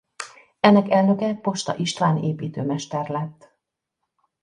Ennek elnöke Posta István építőmester lett.